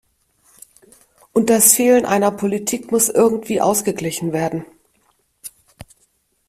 Und das Fehlen einer Politik muss irgendwie ausgeglichen werden.